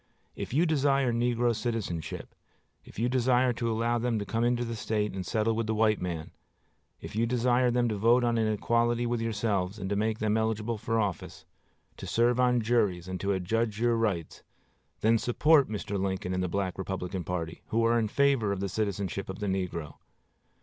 If you desire negro citizenship, if you desire to allow them to come into the State and settle with the white man, if you desire them to vote on an equality with yourselves, and to make them eligible to office, to serve on juries, and to adjudge your rights, then support Mr. Lincoln and the Black Republican party, who are in favor of the citizenship of the negro.